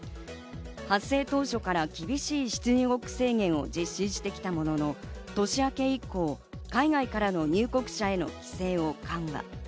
発生当初から厳しい出入国制限を実施してきたものの、年明け以降、海外からの入国者への規制を緩和。